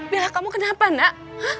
bella kamu kenapa nak